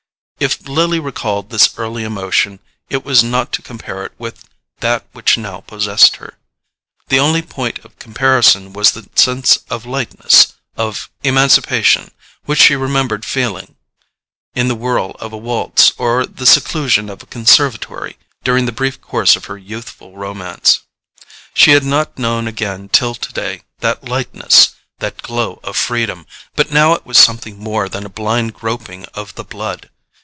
If Lily recalled this early emotion it was not to compare it with that which now possessed her; the only point of comparison was the sense of lightness, of emancipation, which she remembered feeling, in the whirl of a waltz or the seclusion of a conservatory, during the brief course of her youthful romance. She had not known again till today that lightness, that glow of freedom; but now it was something more than a blind groping of the blood.